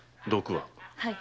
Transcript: はい。